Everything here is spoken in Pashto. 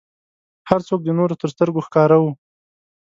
هر څوک د نورو تر سترګو ښکاره و.